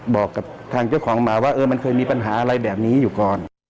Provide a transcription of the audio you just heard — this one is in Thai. บอกกับทางเจ้าของหมาว่าเออมันเคยมีปัญหาอะไรแบบนี้อยู่ก่อน